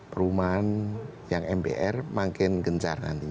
perumahan yang mbr makin gencar nanti